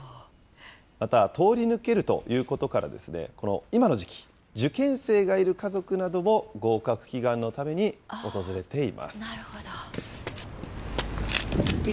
また、通り抜けるということから、この今の時期、受験生がいる家族なども、合格祈願のために訪れてなるほど。